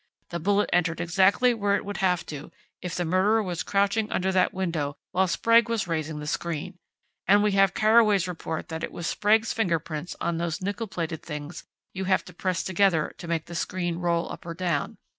The bullet entered exactly where it would have to, if the murderer was crouching under that window while Sprague was raising the screen. And we have Carraway's report that it was Sprague's fingerprints on those nickleplated things you have to press together to make the screen roll up or down.